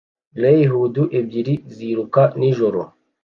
Greyhounds ebyiri ziruka nijoro